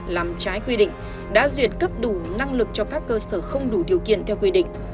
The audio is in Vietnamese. làm trái quy định đã duyệt cấp đủ năng lực cho các cơ sở không đủ điều kiện theo quy định